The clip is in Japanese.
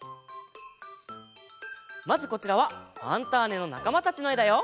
まずこちらは「ファンターネ！」のなかまたちのえだよ。